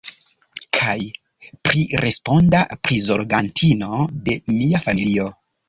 Kaj priresponda prizorgantino de mia familio?